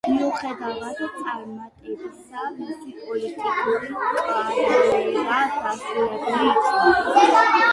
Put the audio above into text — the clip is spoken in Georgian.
მიუხედავად წარმატებისა მისი პოლიტიკური კარიერა დასრულებული იყო.